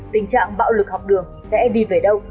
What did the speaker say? tình trạng bạo lực học đường sẽ đi về đâu